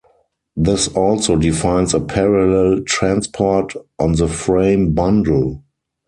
This also defines a parallel transport on the frame bundle.